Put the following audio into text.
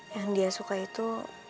yang dia suka itu